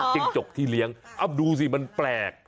จิ้งจกที่เลี้ยงดูสิมันแปลก